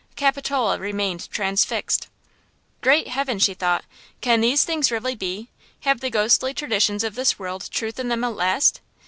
Capitola remained transfixed! "Great heaven!" she thought, "can these things really be! Have the ghostly traditions of this world truth in them at last?